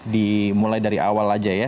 dimulai dari awal aja ya